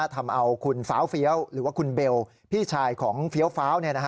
ทำเอาคุณฟ้าเฟี้ยวหรือว่าคุณเบลพี่ชายของเฟี้ยวฟ้าว